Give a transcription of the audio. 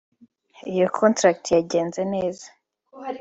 iyo contract yagenze nabi